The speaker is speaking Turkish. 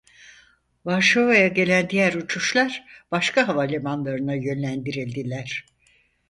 Varşova'ya gelen diğer uçuşlar başka havalimanlarına yönlendirildiler.